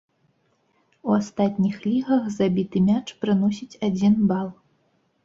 У астатніх лігах забіты мяч прыносіць адзін бал.